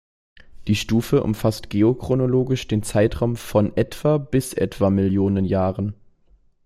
Die Stufe umfasst geochronologisch den Zeitraum von etwa bis etwa Millionen Jahren.